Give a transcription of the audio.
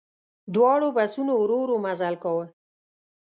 دواړو بسونو ورو ورو مزل کاوه.